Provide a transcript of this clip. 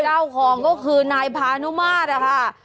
เจ้าของก็คือนายพานุมาตรนะคะ